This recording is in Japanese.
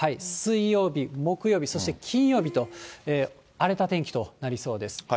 水曜日、木曜日、そして金曜日と荒れた天気となりそうです。